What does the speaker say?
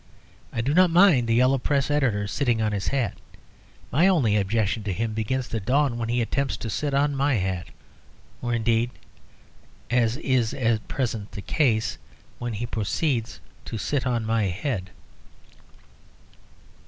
I do not mind the Yellow Press editor sitting on his hat. My only objection to him begins to dawn when he attempts to sit on my hat; or, indeed (as is at present the case), when he proceeds to sit on my head.